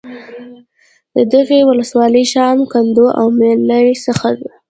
د دغې ولسوالۍ شام ، کندو او ملیل څخه د